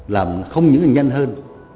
làm không những là nhanh hơn